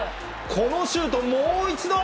このシュート、もう１度。